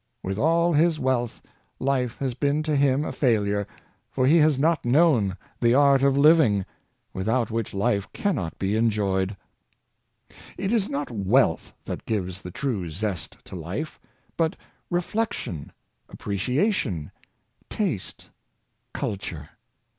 With all his wealth, life has been to him a failure, for he has not known the art of living, without which life cannot be enjoyed. It is not wealth that gives the true zest to life, but reflection, appreciation, taste, culture.